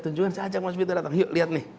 tunjukkan saya ajak mas vito datang yuk lihat nih